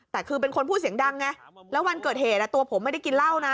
แต่คือเป็นคนพูดเสียงดังไงแล้ววันเกิดเหตุตัวผมไม่ได้กินเหล้านะ